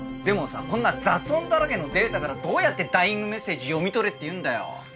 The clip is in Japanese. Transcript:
でもさこんな雑音だらけのデータからどうやってダイイングメッセージ読み取れっていうんだよ？